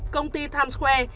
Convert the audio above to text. công ty times square